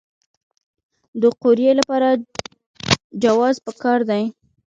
د قوریې لپاره جواز پکار دی؟